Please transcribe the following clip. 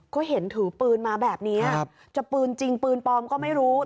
ก็เห็นถือปืนมาแบบนี้จะปืนจริงปืนปลอมก็ไม่รู้